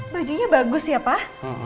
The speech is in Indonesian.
bajunya bagus ya pak